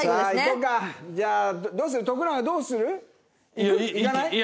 いかない？